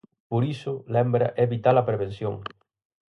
Por iso, lembra, é vital a prevención.